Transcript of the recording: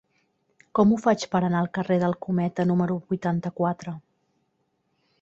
Com ho faig per anar al carrer del Cometa número vuitanta-quatre?